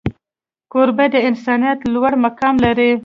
کوربه د انسانیت لوړ مقام لري.